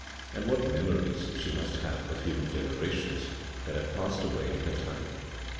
And what memories she must have of human generations that had passed away in her time.